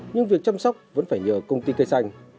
nhưng việc chăm sóc vẫn phải nhờ công ty cây xanh